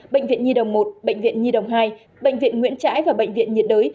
bệnh viện nhi đồng một bệnh viện nhi đồng hai bệnh viện nguyễn trãi và bệnh viện nhiệt đới